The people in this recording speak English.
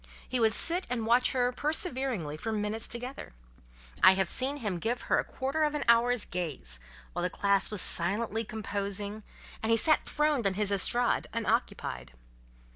He would sit and watch her perseveringly for minutes together. I have seen him give her a quarter of an hour's gaze, while the class was silently composing, and he sat throned on his estrade, unoccupied.